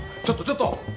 ちょっとちょっと。